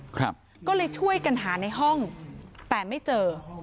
ก็เลยช่วยกันหาในห้องแต่ไม่เจอ